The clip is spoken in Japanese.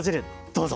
どうぞ。